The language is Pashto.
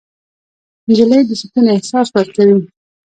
نجلۍ د سکون احساس ورکوي.